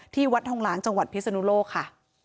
ที่วัดทองหลางจังหวัดพิศนุโลกค่ะ